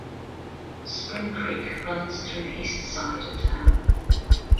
Spring Creek runs through the east side of town.